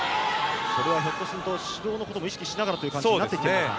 それはひょっとすると指導のことも意識しながらという感じになっていますか。